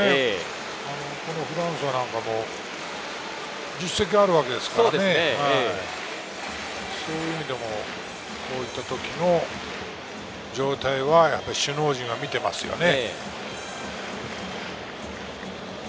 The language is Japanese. フランスアなんかも実績はあるわけですから、そういう意味でも、こういったときの状態は首脳陣は見ていますよね。